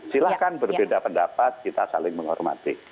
silahkan berbeda pendapat kita saling menghormati